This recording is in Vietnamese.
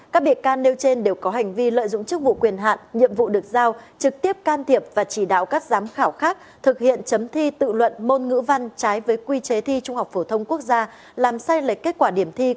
các bị can bị khởi tố cùng về tội